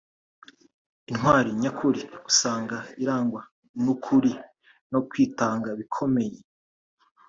Intwari nyakuri usanga irangwa n’ukuri no kwitanga bikomeye